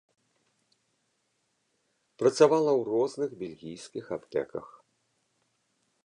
Працавала ў розных бельгійскіх аптэках.